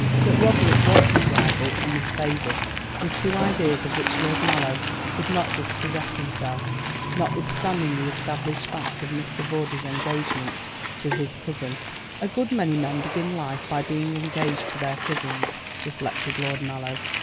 That Roderick was his rival, and was favoured, were two ideas of which Lord Mallow could not dispossess himself, notwithstanding the established fact of Mr. Vawdrey's engagement to his cousin. "A good many men begin life by being engaged to their cousins," reflected Lord Mallow.